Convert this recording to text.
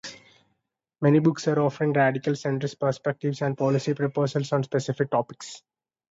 Many books are offering radical centrist perspectives and policy proposals on specific topics.